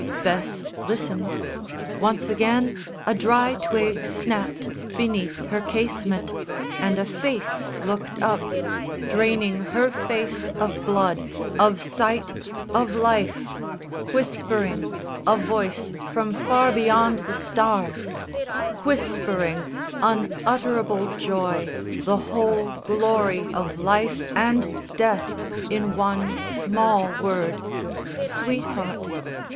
Bess listened. Once again a dry twig snapped Beneath her casement, and a face looked up, Draining her face of blood, of sight, of life, Whispering, a voice from far beyond the stars, Whispering, unutterable joy, the whole Glory of life and death in one small word _Sweetheart!